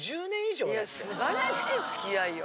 いや素晴らしい付き合いよ。